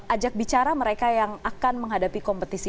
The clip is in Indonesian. ajak bicara mereka yang akan menghadapi kompetisi